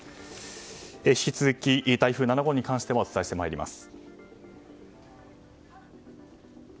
引き続き台風７号に関してお伝えしてまいります。